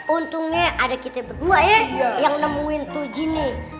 untungnya ada kita berdua ya yang nemuin tuh ginny